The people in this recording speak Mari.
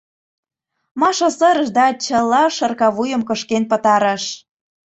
— Маша сырыш да чыла шыркавуйым кышкен пытарыш.